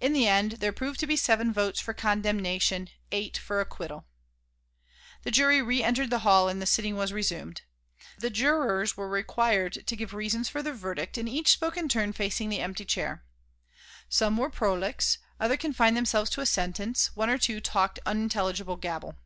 In the end, there proved to be seven votes for condemnation, eight for acquittal. The jury re entered the hall and the sitting was resumed. The jurors were required to give reasons for their verdict, and each spoke in turn facing the empty chair. Some were prolix, others confined themselves to a sentence; one or two talked unintelligible gabble.